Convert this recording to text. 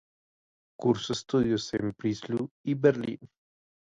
Cursó estudios en Breslau y Berlín.